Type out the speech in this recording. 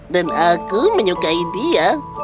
dan aku menyukai dia